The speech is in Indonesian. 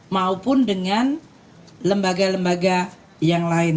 maupun dengan lembaga lembaga yang lain